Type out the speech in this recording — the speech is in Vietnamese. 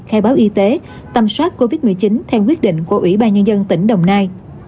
khai báo y tế tầm soát covid một mươi chín theo quyết định của ủy ban nhân dân tỉnh đồng nai